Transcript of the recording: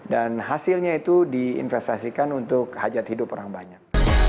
dan hasilnya itu diinvestasikan untuk hajat hidup orang banyak